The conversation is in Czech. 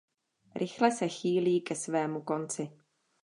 Rychle se chýlí ke svému konci.